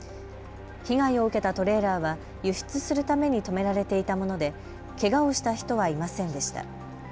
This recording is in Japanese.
被害を受けたトレーラーは輸出するために止められていたものでけがをした人はいませんでした。